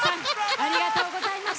ありがとうございます。